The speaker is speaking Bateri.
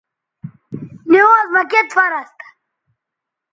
نِوانز مہ کِت فرض تھا